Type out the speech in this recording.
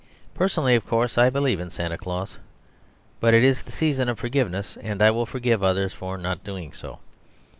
Personally, of course, I believe in Santa Claus; but it is the season of forgiveness, and I will forgive others for not doing so.